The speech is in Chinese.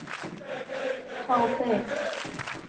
松驹的后辈。